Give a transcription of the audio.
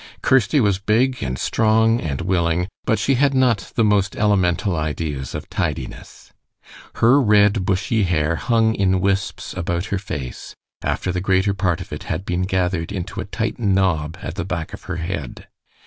Kirsty was big and strong and willing, but she had not the most elemental ideas of tidiness. Her red, bushy hair hung in wisps about her face, after the greater part of it had been gathered into a tight knob at the back of her head.